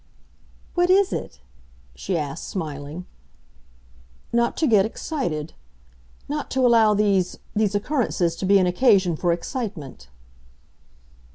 "What is it?" she asked, smiling. "Not to get excited. Not to allow these—these occurrences to be an occasion for excitement."